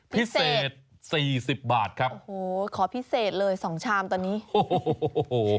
พิเศษสี่สิบบาทครับโอ้โหขอพิเศษเลยสองชามตอนนี้โอ้โห